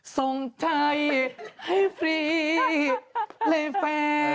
ส่งไทยให้ฟรีเลยแฟน